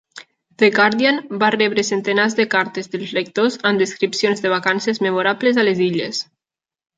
"The Guardian" va rebre centenars de cartes dels lectors amb descripcions de vacances memorables a les illes.